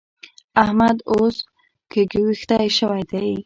احمد اوس ګږوېښتی شوی دی.